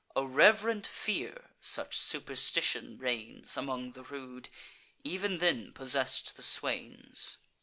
A reverent fear (such superstition reigns Among the rude) ev'n then possess'd the swains.